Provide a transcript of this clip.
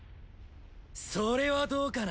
それはどうかな？